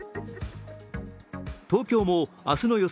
東京も、明日の予想